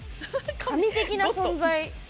神的な存在。